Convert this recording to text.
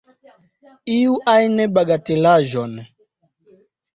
Iu ajn bagatelaĵon.